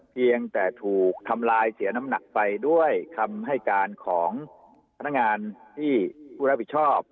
เพียงแต่ถูกทำลายเสียน้ำหนักไปด้วยคำให้การของพนักงานที่ผู้รับผิดชอบ